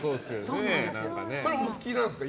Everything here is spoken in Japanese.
それはお好きなんですか？